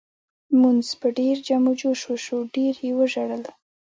لمونځ په ډېر جم و جوش وشو ډېر یې وژړل.